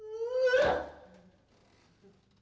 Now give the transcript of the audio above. gua gak dapet apa apa nih